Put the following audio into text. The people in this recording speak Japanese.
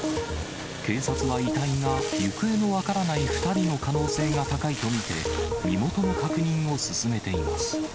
警察は、遺体が行方の分からない２人の可能性が高いと見て、身元の確認を進めています。